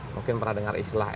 mungkin pernah dengar istilah